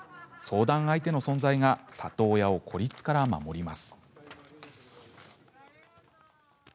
相談相手の存在が里親を孤立から守ります。